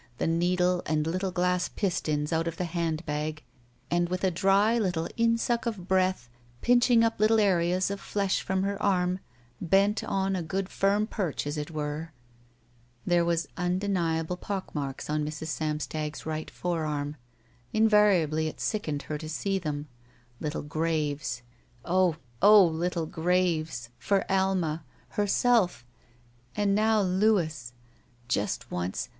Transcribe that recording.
The needle and little glass inston out of the hand bag and with a dry little insuck of breath, pinching up little areas of flesh from her arm, bent on a good firm perch, as it were. There were imdeniable pockmarks on. Mrs. Sam stag's right forearm. Invariably it sickened her to see them. Little graves. Oh! oh! little graves! For Alma. Herself. And now Louis. Just once.